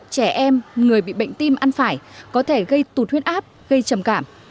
trẻ em người bị bệnh tim ăn phải có thể gây tụt huyết áp gây trầm cảm